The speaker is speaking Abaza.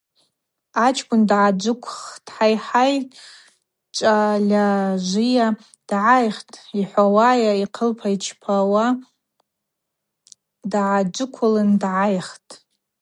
Ачкӏвын дгӏаджыквххтӏ: Хӏа-хӏай, Чӏвальажвыйа дгӏайхитӏ—йхӏвауа йхъылпа йчпауа дгӏаджвыквылын дгӏайхитӏ.